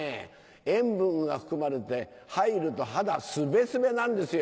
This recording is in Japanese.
塩分が含まれて入ると肌スベスベなんですよ。